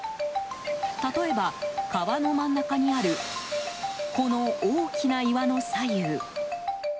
例えば、川の真ん中にあるこの大きな岩の左右。